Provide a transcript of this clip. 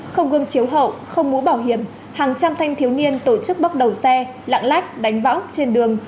không gương chiếu hậu không mũ bảo hiểm hàng trăm thanh thiếu niên tổ chức bóc đầu xe lạng lách đánh võng trên đường